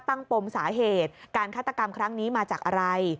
ปมสาเหตุการฆาตกรรมครั้งนี้มาจากอะไร